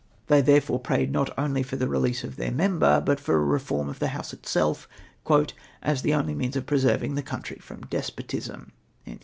They therefore prayed not only for the release of their member, but for a reform of the House itself, " as the only means of preserving the country from despotism."